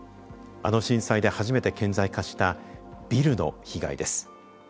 あの震災で初めて顕在化したビルの被害です。